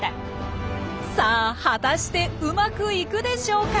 さあ果たしてうまくいくでしょうか？